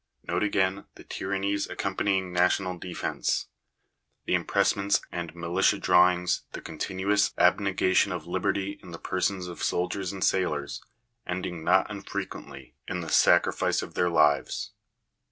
Note again the tyrannies accompanying national defence — the impressments and militia drawings, the continuous abnegation of liberty in the persons of soldiers and sailors, ending not unfrequently in the sacrifice of their lives.